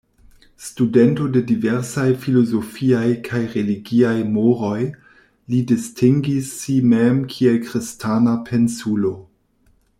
Studento de diversaj filozofiaj kaj religiaj moroj, li distingis si mem kiel Kristana pensulo.